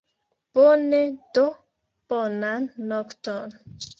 Bone do, bonan nokton!